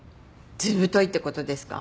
ずぶといってことですか？